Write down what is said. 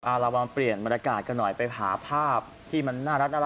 มาละวันปลี่ยนบรรทการ์ดกันหน่อยไปหาภาพที่มันน่ารัก